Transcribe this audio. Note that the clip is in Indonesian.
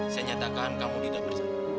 saya nyatakan kamu tidak bersatu